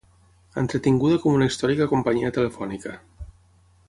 Entretinguda com una històrica companyia telefònica.